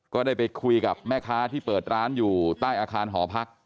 ก็ได้ไปคุยกับแม่ค้าที่เปิดร้านอยู่ใต้อาคารหอพัก